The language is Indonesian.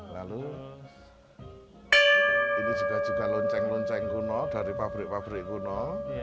lalu ini juga lonceng lonceng kuno dari pabrik pabrik kuno